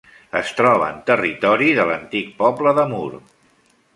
Es troba en territori de l'antic poble de Mur.